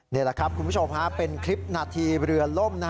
นี่แหละครับคุณผู้ชมเป็นคลิปนาทีเรือล่ม